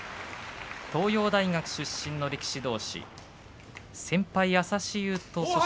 東洋大学出身の力士どうし。